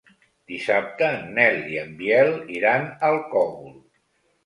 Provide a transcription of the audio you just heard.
Dissabte en Nel i en Biel iran al Cogul.